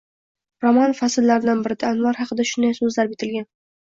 Roman fasllaridan birida Anvar haqida shunday so’zlar bitilgan: